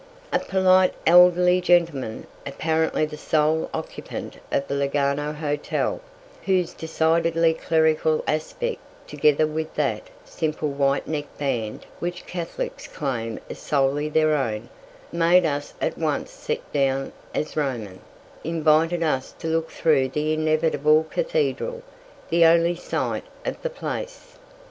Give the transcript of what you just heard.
A polite elderly gentleman, apparently the sole occupant of the Lugano hotel, whose decidedly clerical aspect, together with that simple white neckband which Catholics claim as solely their own, made us at once set him down as Roman, invited us to look through the inevitable cathedral, the only sight of the place.